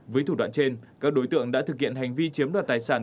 với thủ đoạn trên các đối tượng đã thực hiện hành vi chiếm đoạt tài sản